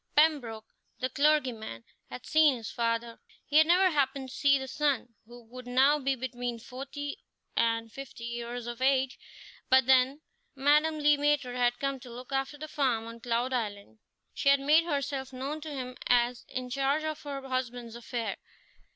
Pembroke, the clergyman, had seen his father. He had never happened to see the son, who would now be between forty and fifty years of age; but when Madame Le Maître had come to look after the farm on Cloud Island, she had made herself known to him as in charge of her husband's affairs.